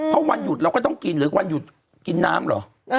เพราะวันหยุดเราก็ต้องกินหรือวันหยุดกินน้ำเหรอ